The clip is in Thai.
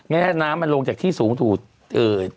แม่น้ำมันลงจากที่สูงถูก